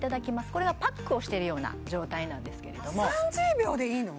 これがパックをしているような状態なんですけれども３０秒でいいの！？